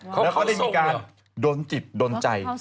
แล้วเขาได้มีการดนจิตโดนใจ